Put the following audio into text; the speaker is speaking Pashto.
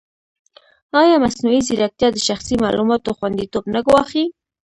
ایا مصنوعي ځیرکتیا د شخصي معلوماتو خوندیتوب نه ګواښي؟